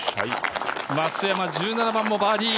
松山、１７番もバーディー。